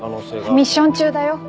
ミッション中だよ。